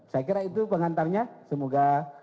saya kira itu pengantarnya semoga